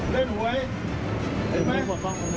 เล่นหวย